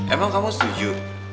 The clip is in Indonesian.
emang kamu setuju